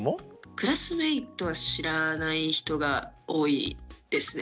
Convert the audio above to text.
クラスメートは知らない人が多いですね。